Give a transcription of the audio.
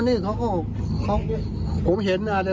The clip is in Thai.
อ๋อหาลูกหาลูกจ้างอยู่จริงเออนี่เขาก็เขา